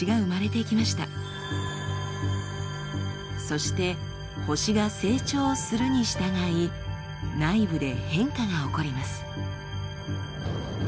そして星が成長するにしたがい内部で変化が起こります。